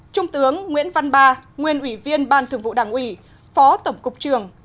trung tướng nguyễn văn ba nguyên ủy viên ban thường vụ đảng ủy phó tổng cục trường